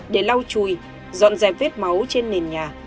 để lau chùi dọn dẹp vết máu trên nền nhà